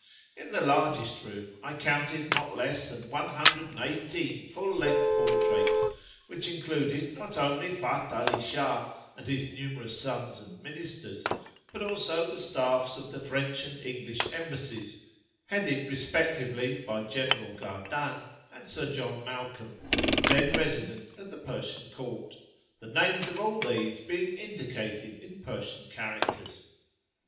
In the largest room I counted no less than 118 full length portraits, which included not only Eath 'Ali Shah and his nmnerous sons and ministers, but also the staffs of the French and English Embassies (headed respectively by General Gardanne and Sir John Malcolm) then resident at the Persian Court, the names of all these being indicated in Persian char acters.